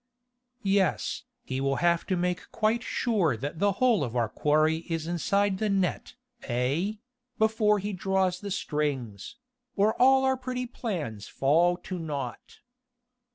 "Yes, he will have to make quite sure that the whole of our quarry is inside the net, eh?... before he draws the strings ... or all our pretty plans fall to nought."